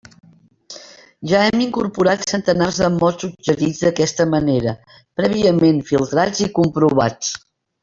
Ja hem incorporat centenars de mots suggerits d'aquesta manera, prèviament filtrats i comprovats.